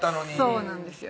そうなんですよ